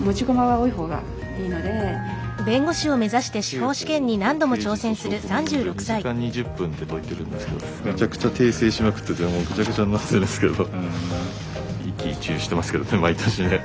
刑法と刑事訴訟法の問題を２時間２０分で解いてるんですけどめちゃくちゃ訂正しまくっててもうぐちゃぐちゃになってるんですけど。